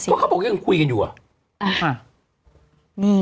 เพราะเขาบอกยังคุยกันอยู่อ่ะ